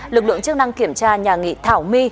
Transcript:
lực lượng chức năng kiểm tra nhà nghị thảo my